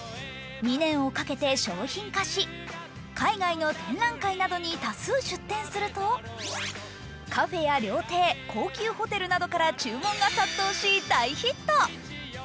２年をかけて商品化し、海外の展覧会などに多数出展するとカフェや料亭、高級ホテルなとが注文が殺到し、大ヒット。